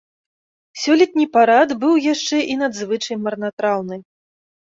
Сёлетні парад быў яшчэ і надзвычай марнатраўны.